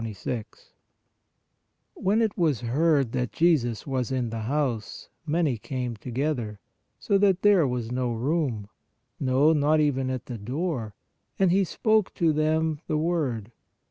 e When it was heard that Jesus was in the house, many came together, so that there was no room; no, not even at the door; and He spoke to them the word.